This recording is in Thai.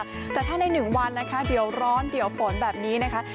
แต่ถ้าในหนึ่งวันนะคะเดี๋ยวร้อนเดี๋ยวฝนแบบนี้นะคะ